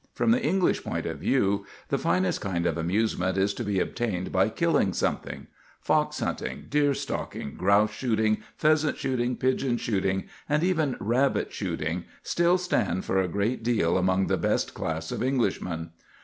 From the English point of view, the finest kind of amusement is to be obtained by killing something. Fox hunting, deer stalking, grouse shooting, pheasant shooting, pigeon shooting, and even rabbit shooting still stand for a great deal among the best class of Englishmen.